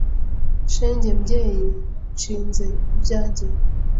Shenge mbyeyi nshinze ibyange;